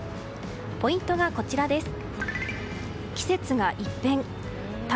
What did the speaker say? ポイントがこちらです。